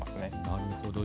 なるほど。